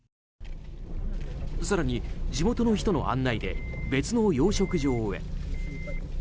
更に地元の人の案内で別の養殖場へ。